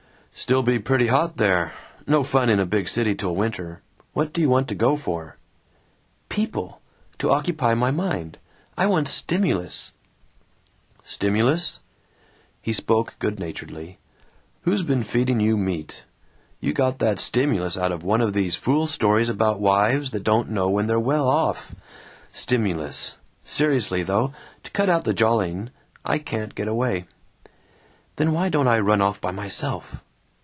"Still be pretty hot there. No fun in a big city till winter. What do you want to go for?" "People! To occupy my mind. I want stimulus." "Stimulus?" He spoke good naturedly. "Who's been feeding you meat? You got that 'stimulus' out of one of these fool stories about wives that don't know when they're well off. Stimulus! Seriously, though, to cut out the jollying, I can't get away." "Then why don't I run off by myself?"